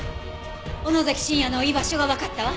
尾野崎慎也の居場所がわかったわ。